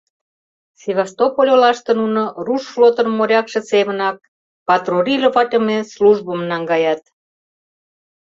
Севастополь олаште нуно руш флотын морякше семынак патрулироватлыме службым наҥгаят.